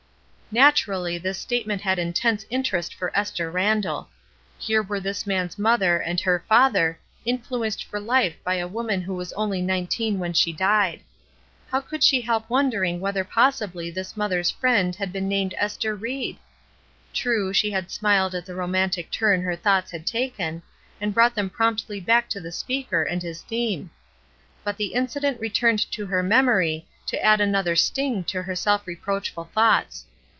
Naturally this statement had intense inter est for Esther Randall. Here were this man's mother and her father influenced for life by a woman who was only nineteen when she died. How could she help wondering whether possibly " DELIBERATELY, AND FOREVER " 223 his mother's friend had been named Ester Ried? True, she had smiled at the romantic turn her thoughts had taken, and brought them promptly back to the speaker and his theme. But the mcident returned to her memory to add another sting to her self re proachful thoughts.